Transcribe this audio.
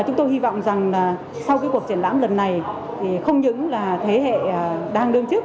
chúng tôi hy vọng rằng sau cuộc triển lãm lần này thì không những là thế hệ đang đương chức